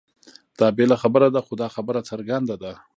دا بېله خبره ده؛ خو دا خبره څرګنده ده،